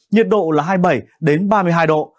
nhiệt độ là hai mươi bảy ba mươi hai độ